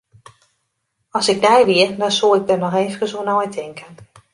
As ik dy wie, dan soe ik der noch efkes oer neitinke.